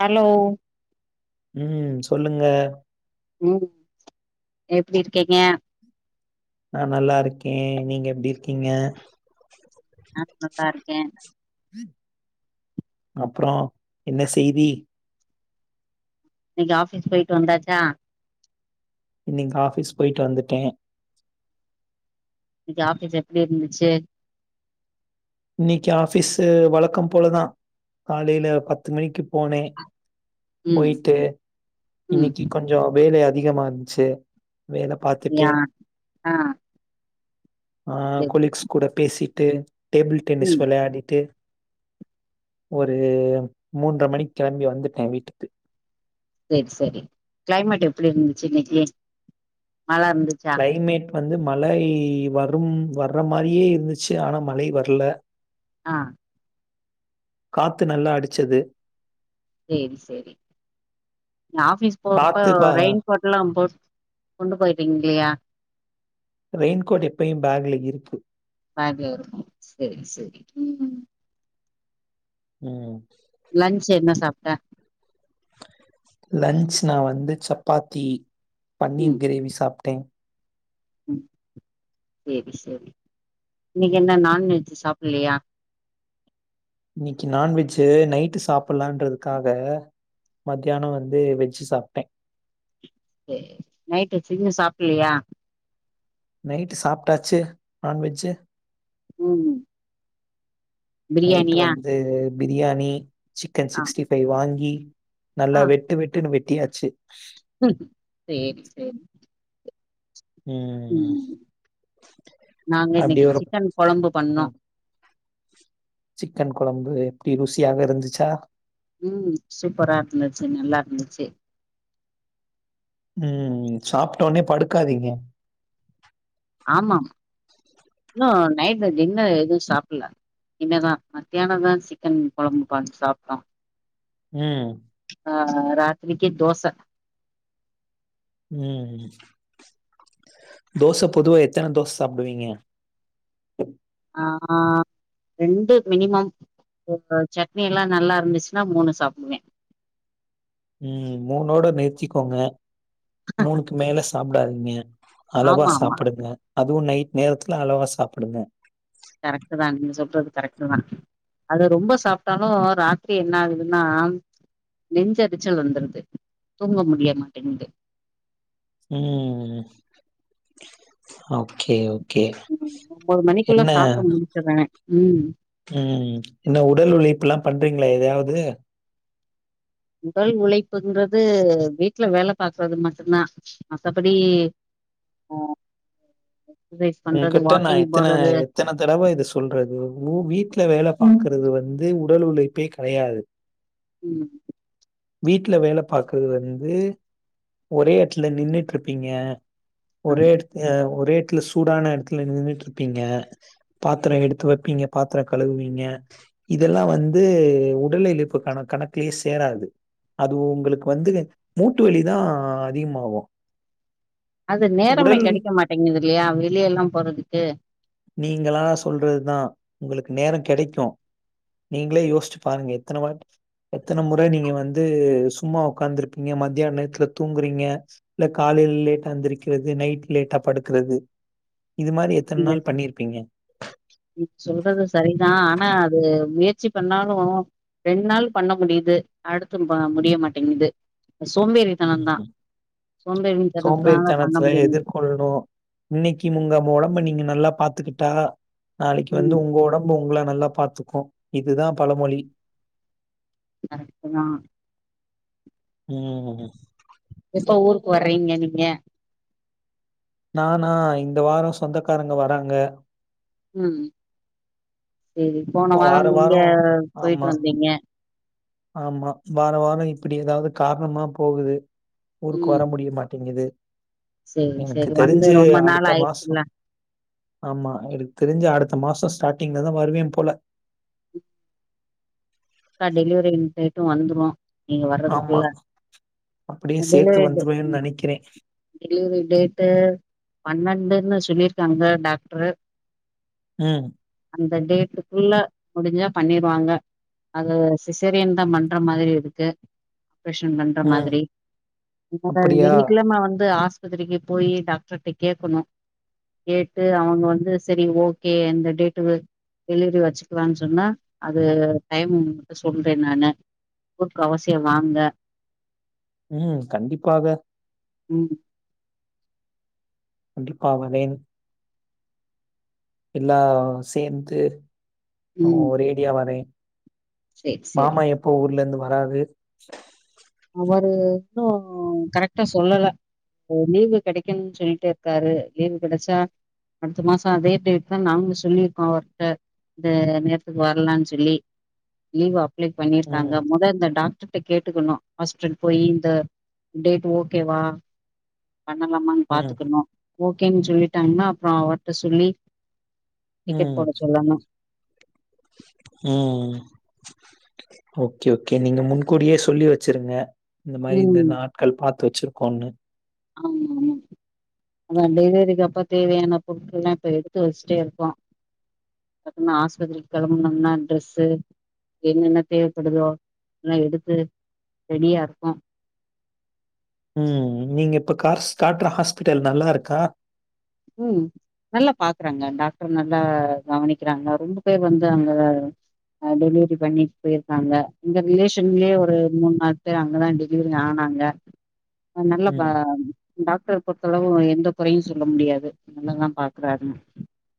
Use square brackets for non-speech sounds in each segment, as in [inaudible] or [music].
Hello ம் சொல்லுங்க ம், எப்டி இருக்கீங்க? நா நல்லா இருக்கே நீங்க எப்டி இருக்கீங்க நா நல்லா இருக்கே அப்புறோ, என்ன செய்தி? நீங்க ஆஃபிஸ் போயிட்டு வந்தாச்சா இன்னைக் ஆஃபிஸ் போயிட்டு வந்துட்டே இன்னைக்கு ஆஃபிஸ் எப்டி இருந்துச்சு? இன்னைக்கு ஆபீஸ் வழக்கம்போலதா காலைல பத்து மணிக்கு போனே ம் போயிட்டு ம் இன்னைக்கி கொஞ்சோ வேலை அதி அதிகமா இருந்ச்சு வேல பாத்துட்டு யா ஆ ஆ, சரி கொலீக்ஸ் கூட பேசி ட்டு டேபிள் டென்னிஸ் ம் விளையாடிட்டு ஒரு மூன்ற மணிக் கெளம்பி வந்துட்டே வீட்டுக்கு சரி சரி க்ளைமேட் எப்படி இருந்துச்சு இன்னைக்கு மழ இருந்துச்சா கிளைமேட் வந்து மழை வரும் வர்ற மாரியே இருந்துச்சு ஆனா மழை வரல ஆஹ் காத்து நல்லா அடிச்சது சேரிசேரி ஆஃபீஸ் போறப்ப காத்து பா ரெயின் கோட் எல்லா போட் கொண்டு போயறீங்கையா ரெயின்கோட் எப்பயு பேக்ல இருக்கு பேக்ல இருக்கு சரி சரி உம் லன்ச் என்ன சாப்ட்ட லன்ச் நா வந்து சப்பாத்தி பன்னீர் கிரேவி சாப்ட்டே உம் சேரி சரி இன்னைக்கு என்ன நான்வெஜ் சாப்பிலையா இன்னைக்கு நான்வெஜு நைட்டு சாப்பிடலான்றதுக்காக மத்தியானோ வந்து வெஜ்ஜு சாப்பிட்டே சேர் நைட்டு [unintelligible] சாப்பலையா நைட்டு சாப்ட்டாச்சு நான்வெஜ்ஜு உம் நைட் வந்து பிரியாணி சிக்கன் ஆ சிக்ஸ்டி ஃபைவ் வாங்கி ஆ நல்லா வெட்டு வெட்டுன் வெட் டியாச்சு சேரி சேரி ம் உம் நாங்க அப்டியே இன்னிக்கு ஒரு சிக்கன் கொழம்பு பண்ணோம் ம் சிக்கன் கொம்பு எப்டி ருசியாக இருந்துச்சா உம் சூப்பரா இருந்துச்சு நல்லார்ந்துச்சு உம் சாப்ட்டோன்னே படுக்காதிங்க ஆமா இன்னு நைட்ல டின்னர் எதும் சாப்புட்ல இன்னதா மத்யானந்தா சிக்கன் கொழம்பு பண் சாப்ட்டோ உம் ஆ ராத்ரிக்கி தோச உம் தோச பொதுவா எத்தன தோஸ் சாப்டுவிங்க ஆ ரெண்டு மினிமம் சட்னி எல்லா நல்லாருந்துச்னா மூணு சாப்டுவே உம் மூணோட நிற்திக்கோங்க மூணுக்கு மேல சாப்டாத் மியா அளவா ஆமா ஆமா சாப்டுங்க அதுவு நைட் நேரத்ல அளவா சாப்டுங்க கரெக்ட்டு தா நீங்க சொல்றது கரெக்ட்டு தா அது ரொம்ப சாப்ட்டாலு ராத்ரி என்ன ஆகுதுன்னா நெஞ்செரிச்சல் வந்துருது தூங்க முடிய மாட்டேங்குது ம் ஓகே ஓ கே ம், ஒன்பது மணிக்குள்ள என்ன சாப்ட்டு முடிச்சிடுறே ம் உம் என்ன உடல் உழைப்புலா பண்றிங்களா எத்தாவ் யேது உடல் உழைப்புன்றது வீட்ல வேல பாக்றது மட்டுதா மத்தபடி அ உங்கிட்ட நா எத்தன எத்தன தடவ இத சொல்றது ஊ வீட்ல வேல பாக்றது வந்து உடல் உழைப்பே கெடயாது உம் வீட்ல வேல பாக்றது வந்து ஒரே எட்த்ல நின்னுட்ருப்பிங்க ஆ ஒரு எட்த்ங்க ஒரே ட்ல சூடான எடத்ல நின்னுட்ருப்பிங்க பாத்ரோ எடுத்து வெப்பிங்க பாத்ரோ கழுவீங்க இதெல்லா வந்து உடல் எழுப்பு கண கணக்லயே சேராது அதுவு உங்களுக்கு வந்து மூட்டுவலிதா அதிகமாகு அது நேரமே கேடிக்க மாட்டேங்குதுல்லயா வெளியலாம் போறதுக்கு நீங்களா சொல்றதுதா உங்களுக்கு நேரோ கெடைக்கு நீங்ளே யோஸ்ச்சு பாருங்க எத்தன வாட் எத்தன முற நீங்க வந்து சும்மா உக்காந்துருப்பிங்க மத்யான் நேர்த்ல தூங்குறிங்க இல்ல காலேல் லேட்டா எந்திர்க்கிறது நைட் லேட்டா படுக்றது இது மாறி எத்தன் நீங்க நாள் பண்ணிருப்பிங்க சொல்றது சரிதா ஆனா அது முயற்ச்சி பண்ணாலூ ரெண்ட் நாள் பண்ண முடியிது அடுத்து பா முடிய மாட்டேங்து சோம்பேறித்தனத்துனால பண்ண சோம்பேறிதனத்ல முடியல எதிர்கொள்ணூ இன்னிக்கி முங்க ஒடம்ப நீங்க நல்லா பாத்துக்குட்டா நாளிக்கு வந்து ம் உங்க ஒடம்பு உங்ள நல்லாப் பாத்துக்கு இதுதா பழமொழி கரெக்டு தா உஹம் எப்போ ஊருக்கு வர்றீங்க நீங்க நானா இந்த வாரம் சொந்தக்காரங்க வராங்க உம் செரி போன வாரம் நீங்க போயிட்டு ஆமா, வந்தீங்க ஆமா வார வாரம் இப்பிடி எதாவ்து காரணமா போகுது ஊருக்கு வர ம் முடிய மாட்டேங்குது செரி எனக்கு செரி வந்து தெரிஞ்சு ரொம்ப நாள் அடுத்த மாசம் ஆயிடுச்சுல்ல ஆமா எனக்கு தெரிஞ்சு அடுத்த அ மாசம் ஸ்டார்டிங்லதா வருவே போல டெலிவெரி டேட்டும் வந்துரு நீங்க ஆமா. வர்றதுக்குள்ள அப்படியே சேர்த்து டெலிவரி வந்துருவேன்னு நினைக்கிறேன். டெலிவரி டேட்டு பன்னெண்டுன்னு சொல்லிரு ங்க டாக்டரு ஹம் இந்த டேட்டுக்குள்ள முடிஞ்சா பண்ணிருவாங்க அது சிசரியன் தா பண்ற மாரி இருக்கு ப்ரேஷன் பண்ற ம். மாத்ரி [unintelligible] அப்படியா? வெள்ளிக்கெழம வந்து ஆஸ் பத்திரிக்கு போய் டாக்டர்ட்ட கேக்கணூ கேட்டு அவுங்க வந்து செரி ஓகே எந்த டேட்டு டெலிவரி வச்சுக்கலான் சொன்னா அது டைம் [inaudible] சொல்றே நானு ஊர்க்கு அவசியோ வாங்க. ம் கண்டிப்பாக ம் ண்டிப்பாவனேன் எல்லா சேந்து ம் ஓ ரேடியா வரே சேரி சேரி மாமா எப்போ ஊர்லேந்து வராரு வ வர் இன்னூ கரெட்டா சொல்லல உ லீவு கெடைக்குன் சொல்லிட்டேருக்காரு லீவு கெடைச்சா அடுத்த மாசோ அதே டேட் தா நாங்களூ சொல்லிருக்கோ அவர்ட்ட இந்த நேரத்துக்கு வரலான் சொல்லி லீவு அப் ப் ளை பண்ணிருக்காங்க ம், மொத அந்த டாக்டர் ட கேட்டுக்கணூ ஹாஸ்ப்டல் போயி இந்த டேட் ஓகேவா பண்ணலாமான்னு ம், பாத்துக்கணூ ஓகேன் சொல்லிட்டாங்கன்னா அப் அப்றோ அவட்ட சொல்லி டிக்கெட் ம், போட சொல்லாமா ம் ஓகே ஓகே நீங்க முன்கூடியே சொல்லி வச்சிருங்க இந்த மாரி இந்த நாட்கள் பாத்து வச்சிரு கோன்னு ஆமாமாம் அதா டெலிவரிக்கு அப்ப தேவையான பொருட்கள்லா இப்ப எடுத்து வச்சுட்டேருக்கோ அப்பத்னா ஆஸ்பத்திரி கெளம்புணூனா ட்ரெஸ்ஸு என்னென்ன தேவப்படுதோ எல்லா எடுத்து ரெடியா இருக்கோ ம் நீங்க இப்ப கார்ஸ் காட்டுற ஹாஸ்பிட்டல் நல்லாருக்கா ம் நல்லா பாக்குறாங்க டாக்டர் நல்லா கவனிக்கிறாங்க ரொம்ப பேர் வந்து அங்க டெலிவரி பண்ணிட் போயிருக்காங்க எங்க ரிலேஷன்லயே ஒரு மூண் நால் பேர் அங்கதா டெலிவரி ஆனாங்க நல்ல பா ம். டாக்டர் பொறுத்தளவூ எந்த கொறையூ சொல்ல முடியாது நல்லதா பாக்குறாருன்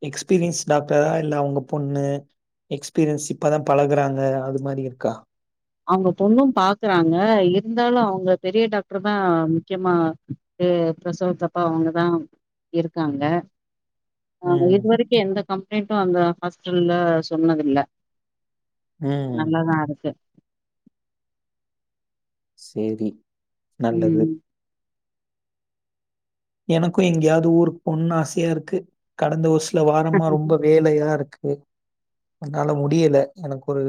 எக்ஸ்பீரியன்ஸ் டாக்டரா இல்ல அவங்க பொண்ணு எக்ஸ்பீரியன்ஸ் இப்பதா பழகுறாங்க அது மாரி இருக்கா அவங்க பொண்ணூ பாக்குறாங்க இருந்தாலூ அவங்க பெரிய டாக்டர் தா முக்கியமா பி ப்ரசோத்தப்பா அவங்கதா இருக்காங்க ஆ ம், இது வரைக்கூ எந்தக் கம்ப்ளைண்ட்டூ அந்த ஹாஸ்பிட்டல்ல சொன்னதில்ல ம். நல்லாதா இருக்கு செரி நல்லது ம் எனக்கூ எங்கயாவ்து ஊருக்கு போணூன் ஆசையா இருக்கு கடந்த வர்ஷ் ல வாரமா ரொம்ப வேலையாருக்கு அத்னால முடியல எனக்கு ஒரு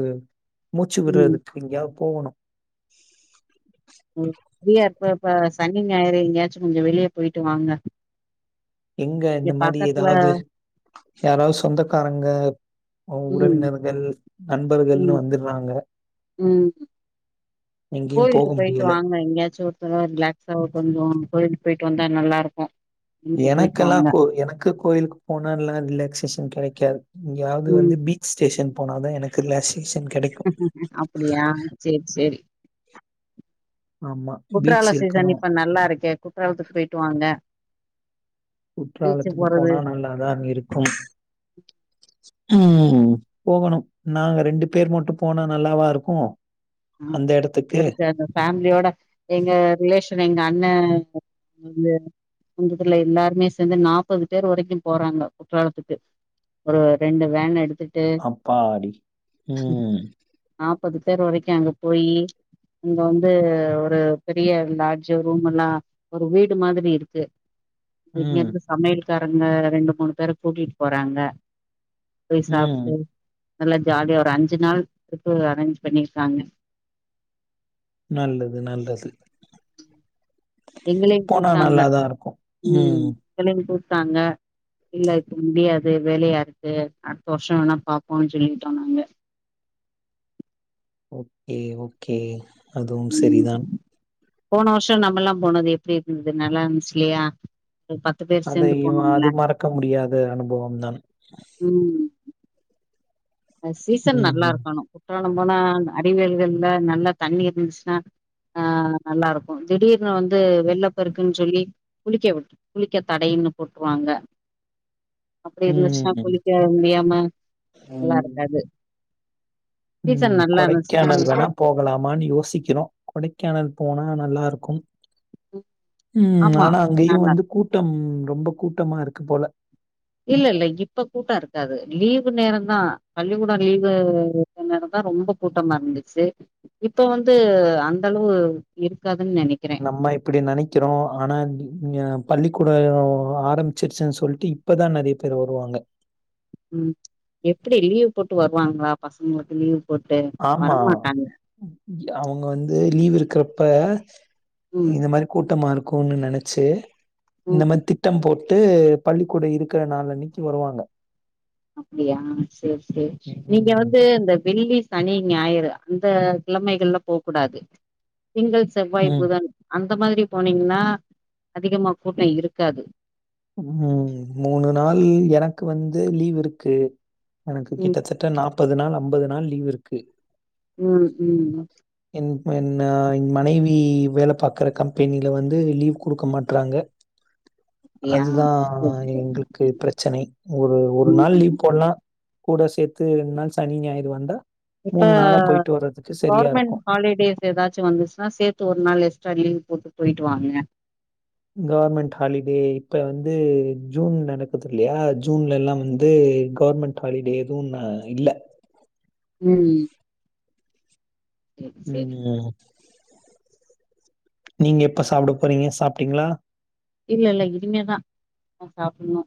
மூச்சு ம் விடுறதுக்கு எங்கயாவ்து போவணூ ஃபிரியா இருப்ப இப்ப சனி ஞாயிறு எங்கயாச்சும் கொஞ்சம் வெளியே போயிட்டு வாங்க எங்க இந்த இங்க மாரி பக்கத்துல ஏதாவது யாராவது சொந்தக்காரங்க உம் உறவினர்கள், நண்பர்கள்னு உம் வந்துடுறாங்க. உம் எங்கேயும் போக கோயிலுக்கு போயிட்டு முடியல. வாங்க எங்கேயாச்சும் ஒருத்த ரிலாக்ஸட்டு வந்தோம் கோவில்கு போயிட்டு வந்தா நல்லா இருக்கும் எனக்கெல்லாம் கோ எனக்கு கோயிலுக்கு போனா எல்லாம் ரிலாக்சேஷன் கிடைக்கும் க இங்யாவது வந்து பீச் டேஷன் போன தான் எனக்கு ர அப்படியா செரி செரி ஆமா பீச் குற்றால சீசன் இருக்கணும். இப்ப நல்லா இருக்கே குற்றாலத்துக்கு போயிட்டு வாங்க பீச்சு குற்றாலத்துக்கு போறது போனா நல்லாதான் இருக்கும் உம் போகணும் நாங்க ரெண்டு பேர் மட்டும் போனா நல்லாவா இருக்கும் அ அந்த இடத்துக்கு. [unintelligible] ஃபேமிலியோட எங்க ரிலேஷன் எங்க அண்ண [unintelligible] எல்லாருமே சேர்ந்து நாற்பது பேர் வரைக்கும் போறாங்க குற்றாலத்துக்கு ஒரு ரெண்டு வேன் எடுத்து அப்பாடி உம் பது பேர் வரைக்கும் அங்க போயி இங்க வந்து ஒரு பெரிய லாஜ்ஜ் ரூம் எல்லாம் ஒரு வீடு மாதிரி இருக்கு ம், இங்கேர்ந்து சமயல் காருங்க ரெண்டு மூணு பேர கூட்டிட்டு போறாங்க ம். போய்சாப்ட்டு நல்லா ஜாலியா ஒரு அஞ்சு நாள் ட்ரிப்பு அரேஞ்ச் பண்ணி சாங்க நல்லது நல்லது எங்களையும் போனா கூப்பிட்டாங்க நல்லா தான் இருக்கும். உம் ம். எங்களையும் கூ ட்டாங்க இல்ல இப்ப முடியாது வேலையா இருக்கு அடுத்த வருஷம் வேனா பாப்போனுஞ் சொல்லிட்டோம் நாங்க ஓகே ஓகே அதுவும் ம் சரிதான் போன வருஷம் நம்மல்லாம் போனது எப்படி இருந்தது நல்லா இருஞ்ச்சிலியா அதையும் அது மறக்க முடியாத அனுபவம் தான் ம் சீசன் ம், நல்லா இருக்கணும் ம் போனா அடிகள்கல்ல நல்லா தண்ணி இருந்துச்சுன்னா ஆஹ் நல்லாருக்கும் திடீர்னு வந்து வெள்ள பெருக்குன்ச்சொல்லி குளிக்க வி குளிக்க தடைனு போட்டுருராங்க அப்டி ம், இருந்துச்சுன்னா ம், குளிக்க முடியாம நல்லா இருக்காது சீசன் ம் நல்லா கொடைக்கானல் இருந்துச்சுன்னா வேணா போகலாமான் யோசிக்கிறோம் கொடை கேனல் போனா நல்லா இருக்கும் உம் ஆமா ஆனா அங்கயும் நல்லா வந்து கூட்டம் ரொம்ப கூட்டமாருக்கு போல இல்லல்ல இப்ப கூட்டோருக்காது லீவு நேரந்தா பள்ளிக்கூடம் லீவு நேரந்தா ரொம்ப கூட்டமா இருந்துச்சு இப்ப வந்து அந்த அளவு இருக்கா நம்ம இப்படி நெனைக்கிறோம் ஆனா பள்ளிக்கூட ஆரம்பிச்சிருச்சுன் சொல்ட்டு இப்பதா நெறைய பேர் வருவாங்க உம் எப்பிடி லீவ் போட்டு வருவாங்களா பசங்களுக்கு லீவ் போட்டு ஆமா வரமாட்டாங்க அவுங்க வந்து லீவு இருக்கிறப்ப ம் இத மாறி கூட்டமாரு கோனு நெனச்சு இந்த ம் மாரி திட்டம் போ ட்டு பள்ளிக்கூடம் இருக்கற நாளனிக்கி வருவாங்க அப்புடியா சேர் சேரி நீங்க ம். வந்து இந்த வெள்ளி சனி ஞாயிறு அந்த கிழமைகள்ல போ கூடாது திங்கள் செவ்வாய் ம். புதன் அந் அந்த மாதிரி போனீங்கனா அதிகமா கூட்டம் இருக்காது ம் மூணு நாள் எனக்கு வந்து லீவ் இருக்கு எனக்கு ம் கிட்டத்தட்ட நாப் ப்பது நாள் அம்பது நாள் லீவு இருக்கு ம், ம் ம், என் மனைவி வேலை பாக்கற கம்பெனில வந்து லீவ் குடுக்க மாட்றாங்க அப்டியா அதுதா சேரி சேரி எங்களுக்கு பிரச்சனை ஒரு ஒரு நாள் ம் லீவ் போட்லா கூட சேத்து ரெண்டுநாள் சனி ஞாயிறு வந்தா இப்ப நாளா போயிட்டு வர்றதுக்கு சரியா கவர்மெண்ட் இருக்கும். ஹாலிடேஸ் ஏதாச்சு வந்துச்சுன்னா சேத்து ஒரு நாள் எக்ஸ்ட்ரா லீவ் போட்டு போயிட்டு வாங்க கவர்மெண்ட் ஹாலிடே இப்ப வந்து ஜூன் நடக்குது இல்லையா ஜூன்ல எல்லா வந்து கவர்மெண்ட் ஹாலிடே எதுவு இல்ல ம் சேரி சேரி ம் நீங்க எப்ப சாப்ட போறீங்க சாப்ட்டீங்களா இல்ல இல்ல இனிமேதா நா சாப்புட்ணு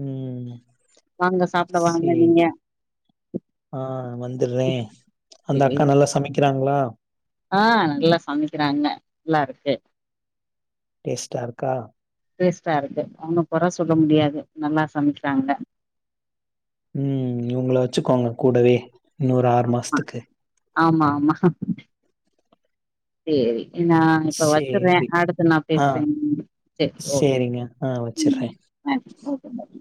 ம் வாங்க சாப்ட வாங்க நீங்க சரி. ஆ வந்துடுறேன். அந்த சேரி அக்கா நல்லா சமைக்கிறாங்களா? ஆ நல்லா சமைக்கிறாங்க நல்லாருக் ஏ டேஸ்டார்கா டேஸ்ட்டாருக்கு அவங்க கொற சொல்ல முடியாது நல்லா சமைக்கிறாங்க உம் இவுங்கள வச்சுக்கோங்க கூடவே இன்னொரு ஆறு ஆமா மாஸத்துக்கு ஆமா ஆமா சேரி நான் இப்ப வச்சறேன் சரி. அடுத்து நான் ஆ. பேசுறேன் ம் சரி சரிங்க. ஆ ஓகே வச்சுர்றேன். நன்றி